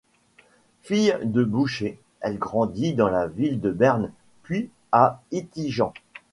Fille de boucher, elle grandit dans la ville de Berne, puis à Ittigen.